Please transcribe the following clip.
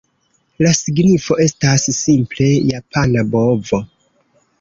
La signifo estas, simple, "japana bovo".